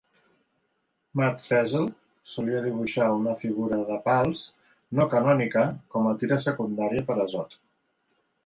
Matt Feazell solia dibuixar una figura de pals no canònica com a tira secundària per a Zot!